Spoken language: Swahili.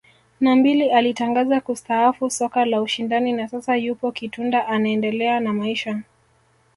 na mbili alitangaza kustaafu soka la ushindani na sasa yupo Kitunda anaendelea na maisha